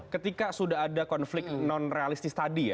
ketika sudah ada konflik non realistis tadi ya